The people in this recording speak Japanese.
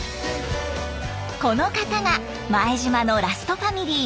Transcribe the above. この方が前島のラストファミリー